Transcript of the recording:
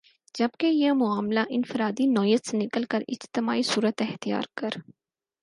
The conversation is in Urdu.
جبکہ یہ معاملہ انفرادی نوعیت سے نکل کر اجتماعی صورت اختیار کر